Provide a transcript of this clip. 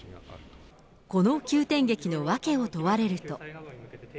この急転劇の訳を問われると。